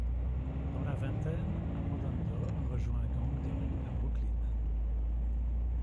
Dans la vingtaine, Abbandando rejoint un gang de rue à Brooklyn.